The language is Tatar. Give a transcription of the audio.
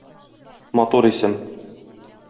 Матур исем...